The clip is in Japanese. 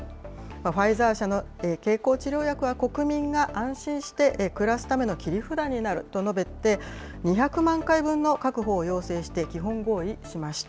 ファイザー社の経口治療薬は、国民が安心して暮らすための切り札になると述べて、２００万回分の確保を要請して、基本合意しました。